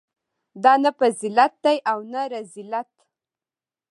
دا نه فضیلت دی او نه رذیلت.